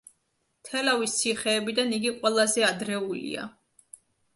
თელავის ციხეებიდან იგი ყველაზე ადრეულია.